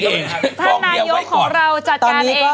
ธนายองของเราจัดการเองค่ะ